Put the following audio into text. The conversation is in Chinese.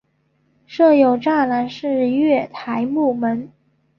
设有栅栏式月台幕门。